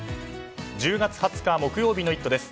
１０月２０日、木曜日の「イット！」です。